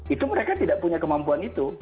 itu mereka tidak punya kemampuan itu